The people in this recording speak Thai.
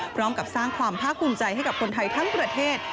พร้อมกับสร้างความภาคภูมิใจให้กับคนไทยทั้งประเทศ